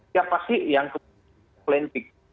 siapa sih yang kepoletik